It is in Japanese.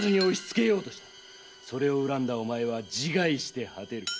それを恨んだおまえは自害して果てる。